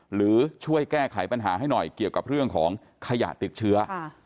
หรือช่วยแก้ไขปัญหาให้หน่อยเกี่ยวกับเรื่องของขยะติดเชื้อ